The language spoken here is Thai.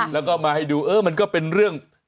แล้วก็มาให้ดูเออมันก็เป็นเรื่อง